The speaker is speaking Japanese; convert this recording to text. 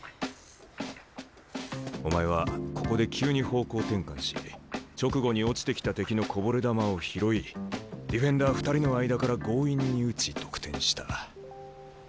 お前はここで急に方向転換し直後に落ちてきた敵のこぼれ球を拾いディフェンダー２人の間から強引に打ち得点した。